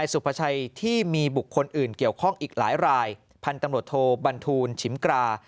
สุภาชัยที่มีบุคคลอื่นเกี่ยวข้องอีกหลายรายพันธุ์ตำรวจโทบันทูลชิมกรา